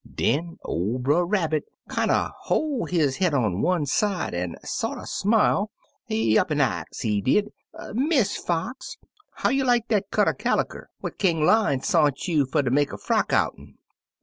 Den ol' Brer Rabbit kinder hoi' his head on one side an' sorter smile; he up an' ax, he did, *Miss Fox, how you like dat cut er caliker what King Lion sont you fer ter make a frock out'n?